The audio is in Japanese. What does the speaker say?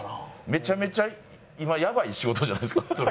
めちゃめちゃ今やばい仕事じゃないですかそれ。